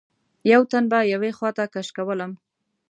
یوه تن به یوې خواته کش کولم.